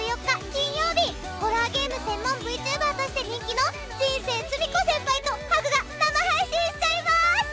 金曜日ホラーゲーム専門ＶＴｕｂｅｒとして人気の人生つみこ先輩とハグが生配信しちゃいます！